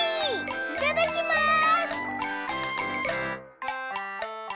いただきます！